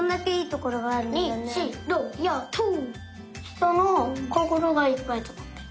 ひとのこころがいっぱいつまってる。